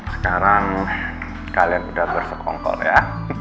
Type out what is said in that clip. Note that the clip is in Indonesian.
sekarang kalian udah bersokong kong ya